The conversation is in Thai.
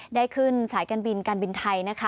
ได้ขึ้นสายการบินการบินไทยนะคะ